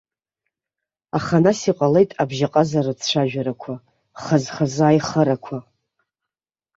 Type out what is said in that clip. Аха нас иҟалеит абжьаҟазаратә цәажәарақәа, хаз-хазы аихарақәа.